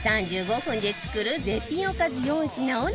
３５分で作る絶品おかず４品をのぞき見